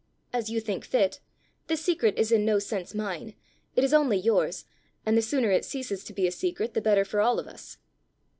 "As you think fit. The secret is in no sense mine; it is only yours; and the sooner it ceases to be a secret the better for all of us!"